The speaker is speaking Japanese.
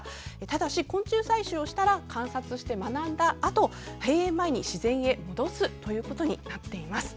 ただし、昆虫採集をしたら観察して学んだあと閉園前に自然へ戻すということになっています。